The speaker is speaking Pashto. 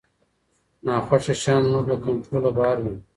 ناخوښه شیان زموږ له کنټروله بهر وي.